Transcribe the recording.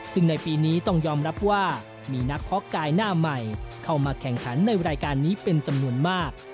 ซึ่งในปีนี้ต้องยอมรับว่ามีนักเพาะกายหน้าใหม่เข้ามาแข่งขันในรายการนี้เป็นจำนวนมาก